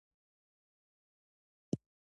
رومي بانجان په بغلان او کندز کې کیږي